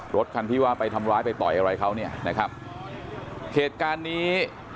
รถคันที่ว่าไปทำร้ายไปต่อยอะไรเขาเนี่ยนะครับเหตุการณ์นี้